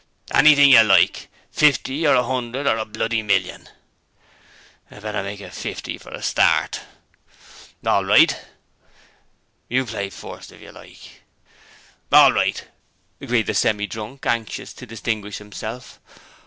'Anything you like! Fifty or a 'undred or a bloody million!' 'Better make it fifty for a start.' 'All right!' 'You play first if you like.' 'All right,' agreed the Semi drunk, anxious to distinguish himself.